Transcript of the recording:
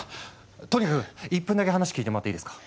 とにかく１分だけ話聞いてもらっていいですか？